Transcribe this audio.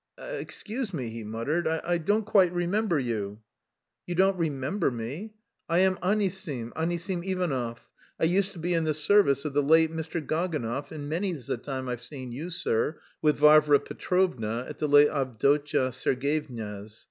"Excuse me," he muttered, "I don't quite remember you." "You don't remember me. I am Anisim, Anisim Ivanov. I used to be in the service of the late Mr. Gaganov, and many's the time I've seen you, sir, with Varvara Petrovna at the late Avdotya Sergyevna's.